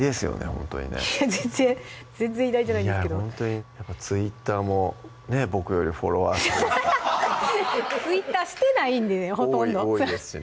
ほんとにねいや全然全然偉大じゃないんですけどほんとにやっぱＴｗｉｔｔｅｒもねボクよりフォロワー数Ｔｗｉｔｔｅｒしてないんでねほとんど多いですしね